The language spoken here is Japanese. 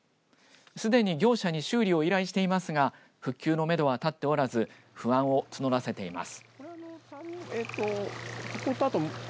すでに業者に修理を依頼していますが復旧のめどは立っておらず不安を募らせています。